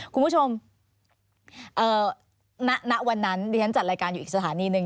คุณผู้ชมณวันนั้นดิฉันจัดรายการอยู่อีกสถานีหนึ่ง